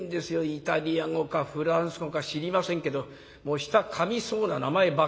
イタリア語かフランス語か知りませんけど舌かみそうな名前ばっかり。